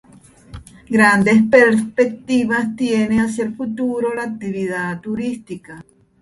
Grandes perspectivas tiene hacia el futuro la actividad turística.